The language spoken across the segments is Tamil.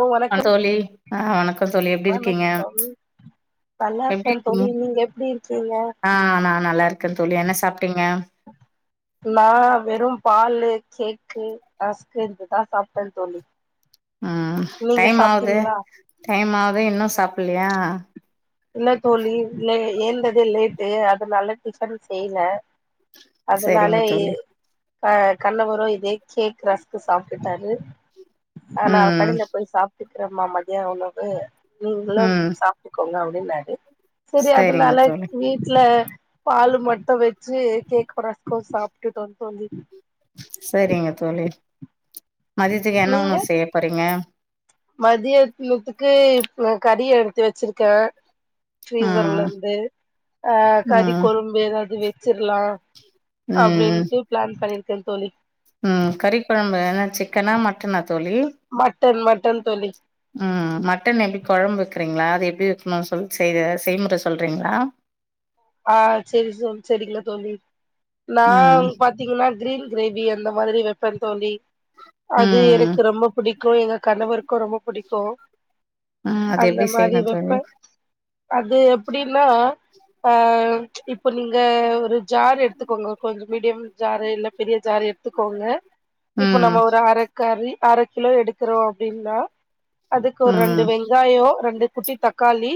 ஓ வணக்கம் தோழி ஆ வணக்கோ தோழி எப்டி இருக்கீங்க எப்டி நல்லாருக்கே இருக்கீங்க தோழி நீங்க எப்டி இருக்கீங்க ஆ நான் நல்லாருக்கேன் தோழி என்ன சாப்ட்டீங்க நா வெறும் பாலு கேக்கு ரஸ்க்கு இதுதா சாப்ட்டே தோழி ம் நீங்க டைம் ஆவுது சாப்ட்டீங்களா டைம் ஆவே இன்னு சாப்பில்லையா இல்ல தோழி ல ஏந்தது லேட்டு அதனால டிஃபன் செய்ல அதனாலே செரிங்க தோழி அ கண்ணவரு இதே கேக் ரஸ்க்கு சாப்டுட்டாரு ஆனா அவ ம் கடைல போய் சாப்ட்டுக்ற மா மத்ய உண வு நீங்ளு ம் சாப்ட்டுக்கோங்க அப்டினாரு சரி செரிங்க அதனால தோழி வீட்ல பாலு மட்டு வச்சு கேக்கு ரஸ்க்கு சாப்டுட்டோ தோழி சரிங்க தோழி மதியத்துக்கு என்ன உணவு செய்யப்போறீங்க மதியத்னுதுக்கு இப்ப கறி எடுத்து வச்சிருக்கே ம் ஃபீரீசர்லந்து அ கறி ம் குழும்பு ஏதாவது வச்சிர்லா ம் ம் பிளான் பண்ணிருக்கே தோழி ம் கறி குழம்பு என்ன சிக்கனா மட்டனா தோழி மட்டன் மட்டன் தோழி ம் மட்டன் எப்டி கொழம்பு வைக்கறீங்களா அது எப்டி வக்கணும்னு சொல் செய்ற செய்முற சொல்றீங்களா ஆ சரி சரிங்க தோழி நா ம் பாத்தீங்கனா கிரீன் கிரேவி அந்த மாதிரி வைப்பந்தோழி அது ம் எனக்கு ரொம்ப பிடிக் கும் எங்க கணவருக்கு ரொம்ப பிடிக்கும் ம் அது அந்த எப்டி மாதி செய்யணு தோழி வைப்பே அது எப்டின்னா ஆ இப்ப நீங்க ஒரு ஜார் எடுத்துக்கோங்க கொஞ்ச மீடியம் ஜாரு இல்ல பெரிய ஜாறு எடுத்துக்கோங்க இப்ப நம்ம ம் ஒரு அரக்கறி அரை கிலோ எடுக்குறோ அப்டின்னா அதுக்கு ஒரு ரெண்டு ம் வெங்காய ரெண்டு குட்டி தக்காளி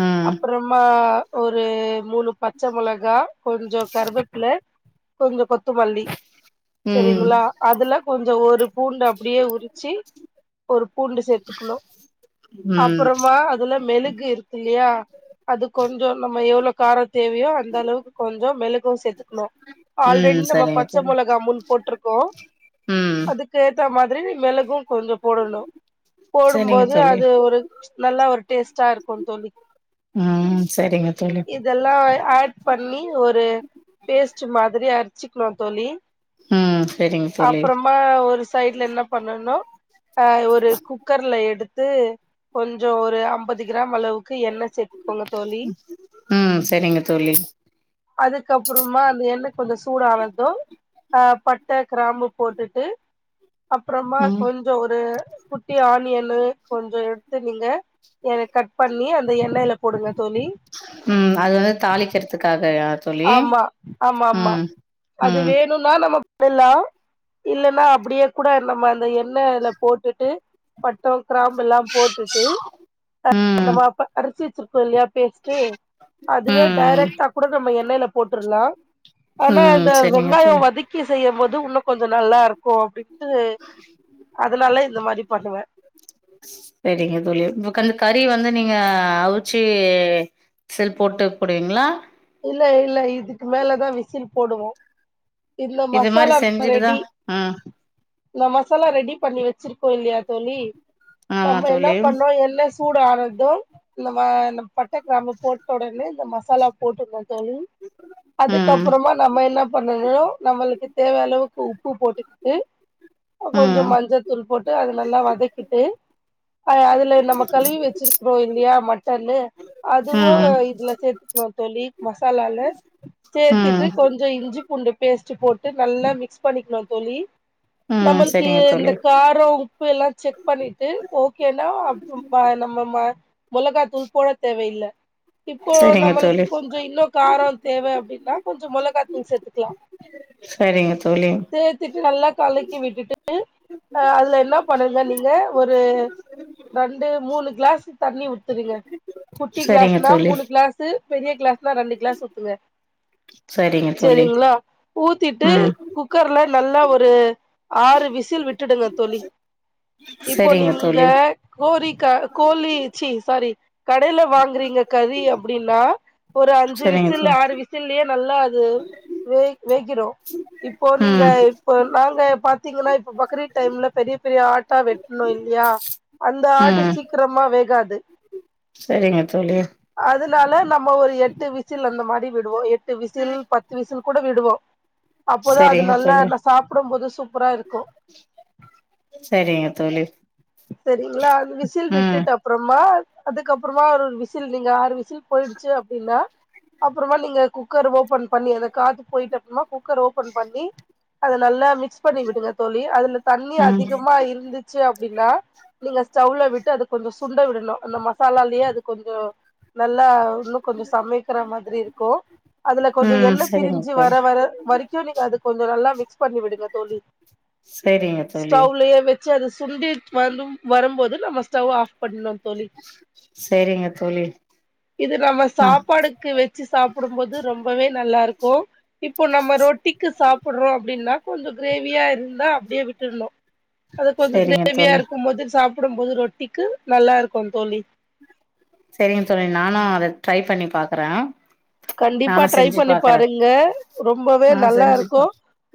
ம் அப்புறமா ஒரு மூனு பச்ச மொளகா கொஞ்ச கருவேப்பில கொஞ்ச கொத்தமல்லி ம் சரிங்களா அதுல கொஞ்ச ஒரு பூண்டு அப்டியே உரிச்சு ஒரு பூண்டு சேத்துக்கணு ம் அப்புறமா அதுல மெழுகு இல்லையா அது கொஞ் ச நம்ம எவ்வளோ காரம் தேவையோ அந்த அளவுக்கு கொஞ்ச மெழுகும் சேத்துக்கணு ம் ஆல்ரெடி நம்ம சரிங்க பச்ச தோழி மொளகா மூன் போட்ருக்கோ ம் அதுக்கு ஏத்தா மாதிரி நீ மெளகு கொஞ்ச போடணு சரிங்க போடும்போது தோழி அது ஒரு நல்லா ஒரு டேஸ்ட்டா இருக்கும் தோழி ம் சரிங்க தோழி இதெல்லா ஆட் பண்ணி ஒரு பேஸ்ட் மாதிரி அரச்சிக்கணு தோழி ம் சரிங்க தோழி அப்புறமா ஒரு சைட்ல என்ன பண்ணணு ஆ ஒரு குக்கர்ல எடுத்து கொஞ்சொ ஒரு அம்பது கிராம் அளவுக்கு எண்ண சேத்துக்கோங்க தோழி ம் சரிங்க தோழி அதுக்கப்புறமா அந்த எண்ண கொஞ்ச சூடானதும் ஆ பட்ட கிராம்பு போட்டுட்டு அப்புறமா ம் கொஞ்ச ஒரு குட்டி ஆனியனு கொஞ்ச எடுத்து நீங்க எனக்கு கட் பண்ணி அந்த எண்ணயில போடுங்க தோழி ம் அது வந்து தாளிக்கிறதுக்காக யா ஆமா ஆமாமா ம் அதுவே னுன்னா நம்ம பண்ணலா இல்லன்னா அப்டியே கூட நம்ம அந்த எண்ணெய்ல போட்டுட்டு பட்ட கிராம்பு எல்லா போட்டுட்டு ம் நம்ம அப்ப கரச்சி வச்சிருக்கோல்லையா பேஸ்ட்டு அதுவே ம் டேரெக்டா கூட நம்ம எண்ணெல போட்டுருலா ஆனா ம் இந்த சரிங்க வெங்காய தோழி வதக் க்கி செய்யும் போது இன்னு கொஞ்ச நல்லா இருக்கு அப்டின்ட்டு அதனால இந்த மாதிரி பண்ணுவே சரிங்க தோழி இப்ப அந்த கறி வந்து நீங்க அவிச்சு விசில் போட்டு போடுவீங்ளா இல்ல இல்ல இதுக்கு மேலதா விசில் போடுவோ இந்த இது மாரி மசாலா இப்ப செஞ்சுட்டுதா ரெடி ம் இந்த மசாலா ரெடி பண்ணி வச்சிருக்கோ இல்லையா தோழி ஆமா நம்ம என்ன தோழி பண்றோ எண்ண சூடானது நம்ம இந்த பட்ட கிராம்ப போட்ட உடனே இந்த மசாலா போட்டுடன்னு தோழி ம் அதுக்கப்புறமா நம்ம என்ன பண்ணணு நம்மளுக்கு தேவ அளவுக்கு உப்பு போட்டுக்கிட்டு கொஞ்சோ ம் மஞ்சத்தூள் போட்டு அத நல்லா வதக்கிட்டு ஆ அதுல நம்ம கழுவி வச்சிருக்குறோ இல்லையா மட்டன்னு அதுவு ம் இதுல சேத்துக்கணு தோழி மசாலால ம் சேத்திட்டு கொஞ்சோ இஞ்சி பூண்டு பேஸ் ட்டு போட்டு நல்லா மிக்ஸ் பண்ணிக்கனு தோழி ம் நம்மளுக்கு சரிங்க இந்த தோழி காரோ உப்பெல்லா செக் பண்ணிட்டு ஓகேனா அப்பப்ப ஆ நம்ம மா மொளகா தூள் போட தேவையில்ல இப்போ சரிங்க நம்மளுக்கு தோழி கொஞ்சோ இன்னு காரோ தேவ அப்டின்னா கொஞ்சோ மொளைகாத்தூள் சேத்துக்கலா சரிங்க தோழி சேத்துட்டு நல்லா கலக்கி விட்டுட்டு அ அதுல என்ன பண்ணுங்க நீங்க ஒரு ரெண்டு மூணு கிளாஸ் தண்ணி ஊத்திருங்க குட்டி சரிங்க கிளாஸ்னா தோழி மூணு கிளாஸ்சு பெரிய கிளாஸ்னா ரெண்டு கிளாஸ் ஊத்துங்க சரிங்க தோழி சேரிங்களா ஊத்திட்டு ம் குக்கர்ல நல்லா ஒரு ஆறு விசில் விட்டுடுங்க தோழி இப்போ சரிங்க நீம்ங்க தோழி கோரிக்கா கோழி ச்சி சாரி கடையில வாங்குறீங்க கறி அப்டின்னா ஒரு அஞ்சு சரிங்க விசில் இல்ல தோழி ஆறு விசில்லயே நல்லா அது வேக் வேகிரு இப்போ நீங்க ம் இப்போ நாங்க பாத்தீங்கன்னா இப்ப பக்ரீட் டைம்ல பெரிய பெரிய ஆட்டா வெட்டணோ இல்லையா அந்த ஆட்டு சீக்கிரமா வேகாது செரிங்க தோழி அதனால நம் ம ஒரு எட்டு விசில் அந்த மாரி விடுவோ எட்டு விசில் பத்து விசில் கூட விடுவோ அப்போதா அது சரிங்க நல்லா தோழி நா சாப்டும் போது சூப்பராருக்கு சரிங்க தோழி சரிங்களா அது விசில் ம் விட்டுட்டப் அப்புறமா அதுக்கப்புறமா ஒரு விசில் நீங்க ஆறு விசில் போயிடுச்சு அப்படின்னா அப்புறமா நீங்க குக்கர் ஓபன் பண்ணி அத காத்து போய்ட்டு அப்புறமா குக்கர் ஓபன் பண்ணி அத நல்லா மிக்ஸ் பண்ணி விட்டுங்க தோழி அதுல தண்ணி ம் அதிகமா இருந்து ச்சி அப்டின்னா நீங்க ஸ்டவ்ல விட்டு அது கொஞ்சோ சுண்ட விடணு அந்த மசாலாலே அது கொஞ்சோ நல்லா இன்னு கொஞ்சே சமைக்கிற மாரி இருக்கு அதுல கொஞ்சோ ம் எண்ணெ சரிங்க பிரிஞ்சு தோழி வர வர வரைக் கு நீங்க அத கொஞ்சோ நல்லா மிக்ஸ் பண்ணி விடுங்க தோழி சரிங்க தோழி ஸ்டவ்லயே வெச் சு அது சுண்டி வரு வரும்போது நம்ம ஸ்டவ்வ ஆஃப் பண்ணணு தோழி சேரிங்க தோழி இது நம்ம ஆ சாப்பாடுக்கு வெச்சு சாப்டும்போது ரொம்பவே நல்லாருக்கு இப்போ நம்ம ரொட்டிக்கி சாப்டுறோ அப்டின்னா கொஞ்சோ கிரேவியாருந்தா அப்டியே விட்டற்னு அது கொஞ்சோ சரிங்க கிரேவியா தோழி இருக்கும் போது சாப்டும் போது ரொட்டிக்கு நல்லாருக்கு தோழி செரிங்க தோழி நானு அத ட்ரை பண்ணி பாக்குறே கண்டிப்பா நானு ட்ரை செஞ்சு பண்ணி பாக்குறே பாருங்க ரொம்பவே ஆ செஞ்சு நல்லாருக்கு பா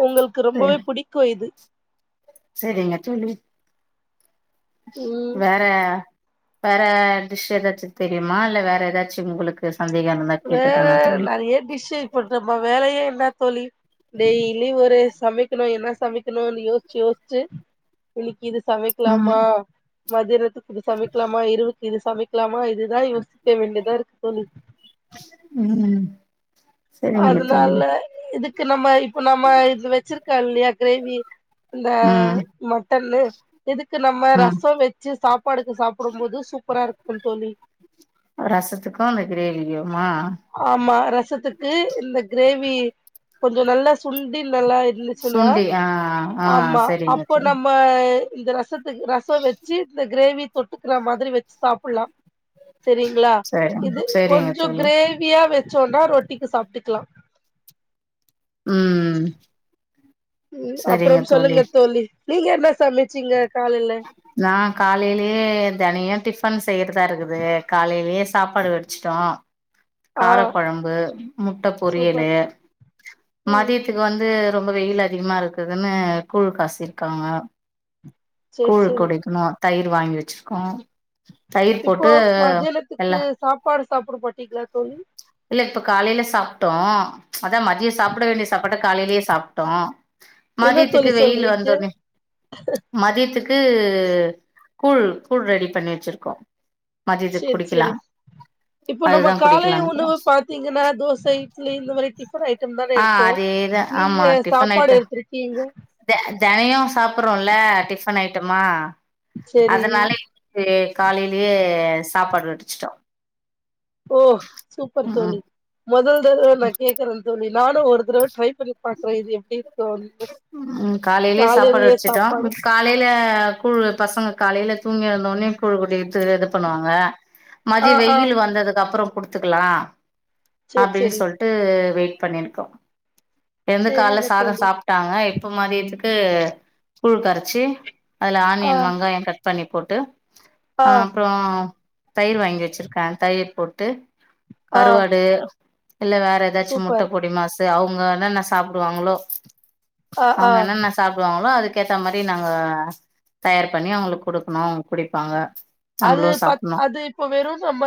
உங்களுக்கு ரொம்பவே புடி க்கு இது செரிங்க தோழி ம் வேற வேற டிஷ் ஏதாச்சு தெரியுமா இல்ல வேற ஏதாச்சு உங்களுக்கு கு சந்தேகோ அந்த மாரி வேற நறைய டிஷ் பண்றம்மா இப்போ வேலையே இல்ல தோழி டெய்லி ஒரு சமைக்கணு என்ன சமைக்கணுன்னு யோச்சு யோச்சு இன்னிக்கி இது சமைக்லாமா ம் மதியானத்துக்கு இது சமைக்கலாமா இரவுக்கு இது சமைக்கலாமா இதுதா யோசிக்க வேண்டியதாருக்கு தோழி ம் ம் சரிங்க தோழி அதுனால இதுக்கு நம்ம இப்ப நம்ம இது வச்சிருக்கல்லயா கிரேவி இந்த ம் மட்டன்லே இதுக்கு நம்ம ம் ரசொ வச்சு சாப்பாடுக்கு சாப்டும் போது சூப்பராருக்கு தோழி ரசத்துக்கு அந்த கிரேவியுமா ஆமா ரசத்துக்கு இந்த கிரேவி கொஞ்சோ நல்லா சுண்டி நல்லா இருந்து ச்சுன்னா சுண்டி ஆ ஆ ஆமா சரிங்க அப்போ தோழி நம்ம இந்த ரசத்துக்கு ரசொ வச்சு இந்த கிரேவி தொட்டுக்கற மாதிரி வச்சு சாப்புலா செரிங்ளா இது சரிங்க சரிங்க கொஞ்சோ தோழி கிரேவியா வச்சோன்னா ரொட்டிக்கு சாப்ட்டுக்லா ம் ம் ம் அப்றம் சொல்லுங்க தோழி நீங்க என்ன சமச்சீங்க காலைல நா காலைலயே தனியா டிஃபன் செய்றதாருக்குது காலைலயே சாப்பாடு வடிச்சுட்டோ ஆ கார கொழம்பு முட்ட பொரியலு சூப்பர் ம் மதிய த்துக்கு வந்து ரொம்ப வெயில் அதிகமா இருக்குதுனு கூழ் காசிருக்காங்க சேர் கூழ் சேரி குடிக்னு தயிர் வாங்கி வச்சிருக்கோ தயிர் போட்டு எல்லா சோறு சாப்ட மாட்டீங்களா தோழி இல்ல இப்ப காலைல சாப்ட்டோ அதா மதியொ சாப்ட வேண்டிய சாப்பாட்ட காலைலயே சாப்ட்டோ என்ன மதியத்துக்கு தோழி வெயில் சொல்றீங்க வந்தோனே மதியத்துக்கு கூழ் கூழ் ரெடி பண்ணி வச்சிருக்கோ மதியத்துக்கு சேர் குடிக்கலா சேரி இப்போ நம்ம அதுதா காலை உ குடிக்கலானுக்குறோ ணவு பாத்தீங்கன்னா தோச இட்லி இந்த மாரி டிஃபன் ஐட்டம் தானே ஆ எடுப்போ அதேதா நீங்க ஆமா டிஃபன் சாப்பாடு ஐட்ட எடுத்துருக்கீங்க தெ தெனயு சாப்புறோல்ல டிஃபன் ஐட்டமா செரி அதனால இன்னிக் கி காலைலியே சாப்பாடு வடிச்சுட்டோ ஓ சூப்பர் தோழி ம் மொதல்தரவ நா கேக்கறே தோழி நானு ஒரு தரவ ட்ரைப் பண்ணி பாக்குறே இது எப்டி தோழி காலைலயே சாப்பாடு காலைல கூழ் பசங்க காலைல தூங்கி எழுந்தோனே கூழ் குடிக்கிற்துக்கு இது பண்ணுவாங்க ஆ மதியொ ஆ வெயில் வந்ததுக்கப்றோ குடுத்துக்கலா செரி அப்டின் செரி சொல் ட்டு வெயிட் பண்ணிருக்கோ எழ்ந்து கால்ல செரிங்க சாதொ தோழி சா ட்டாங்க இப்ப மதியத்துக்கு கூழ் கரச்சி அதுல ஆ ஆனியன் வெங்காயொ கட் பண்ணி போட்டு ஆ அப்றோ தயிர் வாங்கி வச்சிருக்கே தயிர் போட்டு ஆ கருவாடு இல்ல வேற எதாச்சு முட்ட சூப்பர் பொடிமாஸ் து அவுங்க என்னென்ன சாப்டுவாங்ளோ ஆ ஆ அவுங்க என்னன்ன சாப்டுவாங்ளோ அதுக்கேத்த மாரி நாங்க தயார் பண்ணி அஉவங்களுக்கு குடுக்கனு அவுங் குடிப்பாங்க அது நம்மளு பத் சாப்டணு அது இப்ப வெறு நம்ம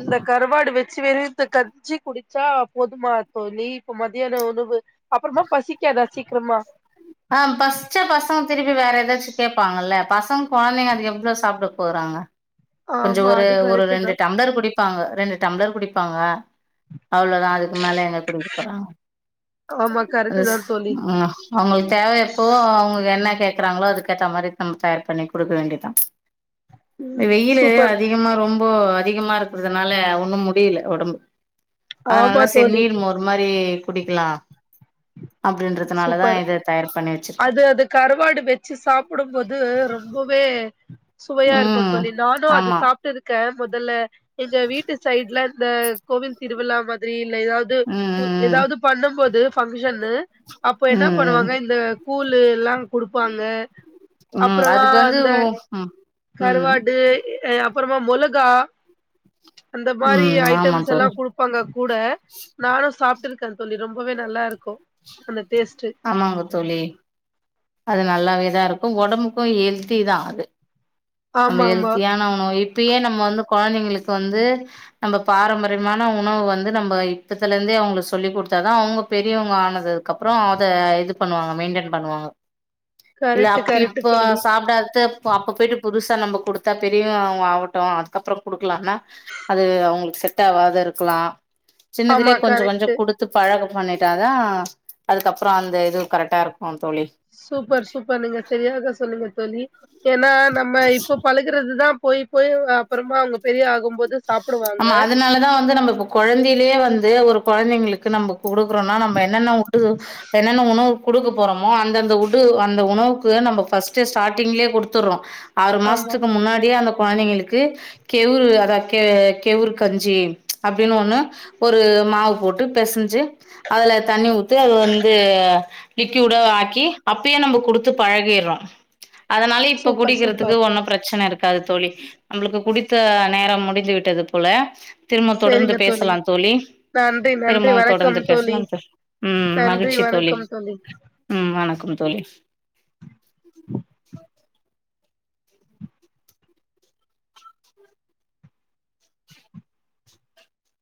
இந்த கருவாடு வெச்சு வெறு இந்த க ஞ்சி குடிச்சா போதுமா தோழி இப்ப மதியான உணவு அப்றமா பசிக்காதா சீக்ரமா ஆ பசிச்சா பசங்க திருப்பி வேற எதாச்சு கேப்பாங்கல்ல பசங் கொழந்தைங்க அது எவ்ளோ சாப்ட போறாங்க கொஞ்சொ ஆமா ஒரு அது ஒரு கரெக்ட் தா ரெண்டு டம்ளர் குடி ப்பாங்க ரெண்டு டம்ளர் குடிப்பாங்க அவ்ளோதா அதுக்கு மேல எங்க குடிக்கப் போறாங்க ஆமா கரெக்ட் அது தா தோழி ஆ அவுங்களுக் தேவை அப்போ அவுங்களுக்கு என்ன கேக்குறாங்ளோ அதுக்கேத்த மாரி நம்ம தயார் பண்ணி குடுக்க வேண்டிதா ம் வெயிலு சூப்பர் அதிகமா ரொம்ப அதிகமா இருக்கறதுனால ஒன்னும் முடியில ஒடம்பு ஆமா அதுனால செரி தோழி நீர் மோர் மாரி குடிக்கலா அப்டின்றது அதுனால சூப்பர் தா இது தயார் பண்ணி வெச்சிருக்கோ அது அது கருவாடு வெச்சு சாப்புடும்போது ரொம்பவே சுவையா இருக்கு ம் தோழி நானு அது ஆமா சாப்ட்டுருக்கே மொதல்ல எங்க வீட்டு சைட்ல இந்த கோவில் திருவிழா மாதிரி இல்ல எதாவ் து ம் உ ம் எதாவ்து பண்ணும் போது ஃபங்க்ஷனு அப்ப ம் என்னா ம் பண்ணுவாங்க இந்த கூழு எல்லா குடுப்பாங்க ம் ம் அப்பறமா அதுக்கு வந்து அந்த ம் ம் கருவாடு எ அய அப்பறமா மொளகா அந்த மாரி ம் ஆமா ஐட்டம்ஸ் எல்லா தோழி குடுப் பாங்க கூட நானு சாப்ட்ருக்கே தோழி ரொம்பவே நல்லாருக்கு அந்த டேஸ்ட்டு ஆமாங்க தோழி அது நல்லாவேதா இருக்கு ஒடம்புக்கு எல்த்திதா அது நம்ம ஆமா ஆமா எல்த்தியான உணவு இப்பயே நம்ம வந்து கொழந்தைங்களுக் வந்து நம்ப பாரம்பரியமான உணவு வந்து நம்ப இப்பத்துலிர்ந்தே அவ்ங்களுக்கு சொல்லி குடுத்தாதா அவ்ங்க பெரியவங்க ஆனது க்கப்றோ அத இது பண்ணுவாங்க மெய்ன்டென் பண்ணுவாங்க இல்ல கரெக்ட்டு அப் கரெக்ட்டு இப்ப தோழி சாப்டாத்து போ அப்ப போய்ட்டு புதுசா நம்ம குடுத்தா பெரியவ்ங்க அவ்ங்க ஆவட்டு அதுக்கப்றோ குடுக்கலான்னா அது அவ்ங்களுக் செட் ஆவாதுருக்கலா சின்னதுலே ஆமா கொஞ்ச கொஞ்ச கரெக்ட்டு குடுத் து பழகம் பண்ணீட்டாதா அதுக்கப்றோ அந்த இது கரெக்ட்டா இருக்கு தோழி சூப்பர் சூப்பர் நீங்க சரியாக சொன்னீங்க தோழி ஏனா நம்ம இப்போ பழ க்கறதுதா போயி போயி அப்பறமா அவ்ங்க பெரிய ஆகும் போது ஆமா அதுனாலதா வந்து நம்ம இப்போ கொழந்தைலே வந்து ஒரு கொழந்தைங்களுக்கு நம்ப குடுக்றோன்னா நம்ப என்னென்ன உட்டு என்னென்ன உணவு குடுக்க போறமோ அந்தந்த உட்டு அந்த உணவுக்கு நம்ப ஃபஸ்ட்டு ஸ்டாட்டிங்லே குடுத்துர்றோ ஆறு ஆமா மாஸ்த்துக்கு முன்னாடியே அந்த கொழந்தைங்களுக்கு கெவுரு அதா கெ கெவுரு கஞ்சி அப்டினு ஒன்னு ஒரு மாவு போட்டு பெசஞ்சு அதுல தண்ணி ஊத்து அதுல வந்து லிக்யூடு ஆக்கி அப்பயே நம்ப குடுத்து பழகீர்றோ அதனாலே இப்ப சூப்பர் குடிக்கிறதுக்கு சூப்பர் ஒன்னு பிரச்சன இருக்காது தோழி நம்பளுக்கு குடித்த நேரம் முடி ந்து விட்டது போல திரும்பவ் தொடர்ந்து பேசலாம் தோழி நன்றி நன்றி திரும்பவ் வணக்கம் தொடர்ந்து தோழி பேசலாம் தோ ம் நன்றி மகிழ்ச்சி தோழி வணக்கம் ம் வணக்கம் தோழி